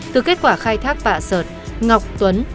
từ kết quả khai thác bạ sơn ngọc tuấn